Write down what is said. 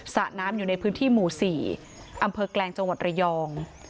สระน้ำอยู่ในพื้นที่หมู่๔อำเภอแกลงจังหวัดระยอง